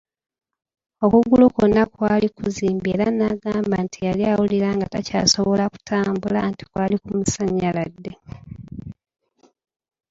Okugulu kwona kwali kuzimbye era n’agamba nti yali awuliranga takyasobola kutambula anti kwali kumusanyaladde.